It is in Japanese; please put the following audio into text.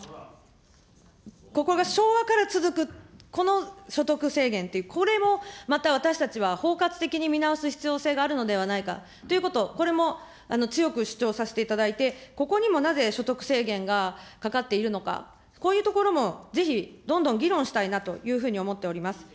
ここが昭和から続く、この所得制限って、これも、また私たちは包括的に見直す必要性があるのではないかということを、これも強く主張させていただいて、ここにもなぜ所得制限がかかっているのか、こういうところもぜひ、どんどん議論したいなというふうに思っております。